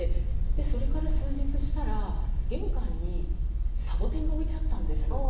それから数日したら玄関にサボテンが置いてあったんです。